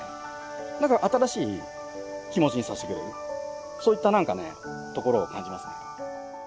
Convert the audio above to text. なんか新しい気持ちにさせてくれるそういったところを感じますね。